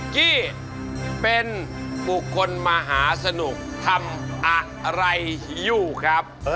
กี้เป็นบุคคลมหาสนุกทำอะไรอยู่ครับ